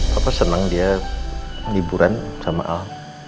papa senang dia liburan sama al